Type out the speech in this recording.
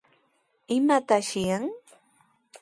¿Imataq asyan?